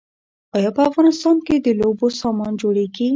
آیا په افغانستان کې د لوبو سامان جوړیږي؟